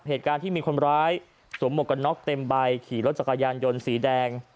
เหตุการณ์ที่มีคนร้ายสวมหมวกกันน็อกเต็มใบขี่รถจักรยานยนต์สีแดง